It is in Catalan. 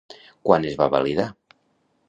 Quan es va validar?